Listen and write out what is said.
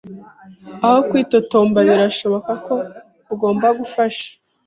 Aho kwitotomba, birashoboka ko ugomba gufasha.